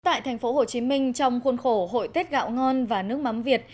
tại thành phố hồ chí minh trong khuôn khổ hội tết gạo ngon và nước mắm việt